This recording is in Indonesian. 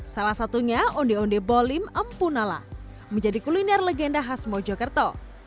salah satunya onde onde bolim empunala menjadi kuliner legenda khas mojokerto